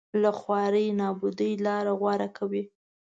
له خوارۍ نابودۍ لاره غوره کوي